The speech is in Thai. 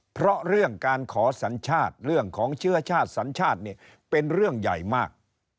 เพราะเรื่องการขอสัญชาติเรื่องของเชื้อชาติสัญชาติเนี่ยเป็นเรื่องใหญ่มาก